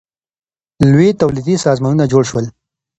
لوی تولیدي سازمانونه جوړ سول.